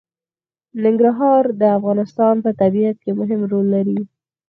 ننګرهار د افغانستان په طبیعت کې مهم رول لري.